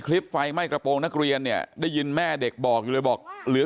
ไฟไหม้กระโปรงนักเรียนเนี่ยได้ยินแม่เด็กบอกอยู่เลยบอกเหลือ